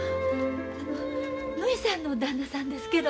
ぬひさんの旦那さんですけど。